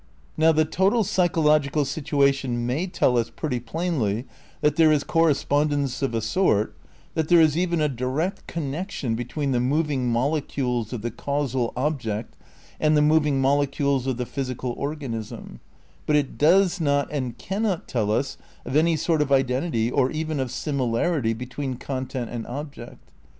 '' Now the total psychological situation may tell us pretty plainly that there is correspondence of a sort, that there is even a direct connection between the mov ing molecules of the causal object and the moving mole cules of the physical organism, but it does not and can not tell us of any sort of identity or even of similarity between content and object.